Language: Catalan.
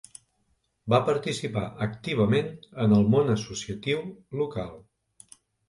Va participar activament en el món associatiu local.